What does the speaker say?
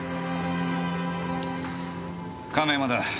亀山だ。